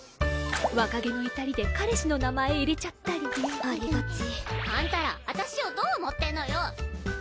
若気の至りで彼氏の名前入れちゃったりありがちあんたら私をどう思ってんのよ